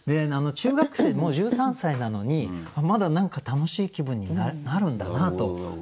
中学生もう１３歳なのにまだ何か楽しい気分になるんだなと。